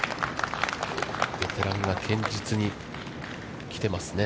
ベテランが堅実に来てますね。